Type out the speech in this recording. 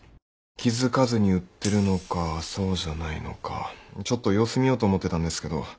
気付かずに売ってるのかそうじゃないのかちょっと様子見ようと思ってたんですけど